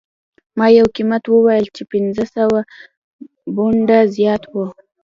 ما یو قیمت وویل چې پنځه سوه پونډه زیات و